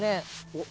おっ。